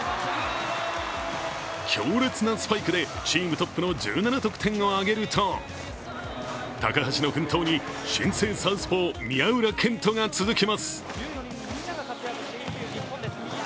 強烈なスパイクでチームトップの１７得点を挙げると高橋の奮闘に新星サウスポー宮浦健人が続きます。